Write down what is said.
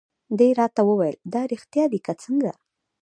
دې راته وویل: دا رېښتیا دي که څنګه؟